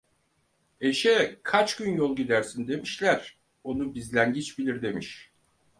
Eşeğe kaç gün yol gidersin demişler; onu bizlengiç bilir demiş.